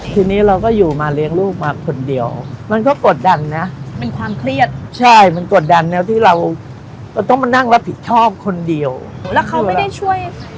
ทีนี้เราก็อยู่มาเลี้ยงลูกมาคนเดียวมันก็กดดันนะเป็นความเครียดใช่มันกดดันนะที่เราต้องมานั่งรับผิดชอบคนเดียวแล้วเขาไม่ได้ช่วย